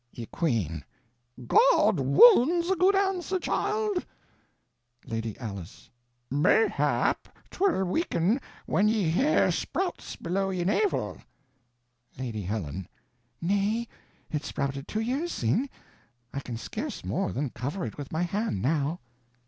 Ye Queene. God' wowndes a good answer, childe. Lady Alice. Mayhap 'twill weaken when ye hair sprouts below ye navel. Lady Helen. Nay, it sprouted two yeres syne; I can scarce more than cover it with my hand now.